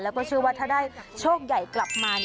แล้วก็เชื่อว่าถ้าได้โชคใหญ่กลับมา